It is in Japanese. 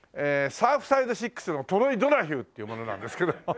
サーフサイド６のトロイ・ドナヒューっていう者なんですけど。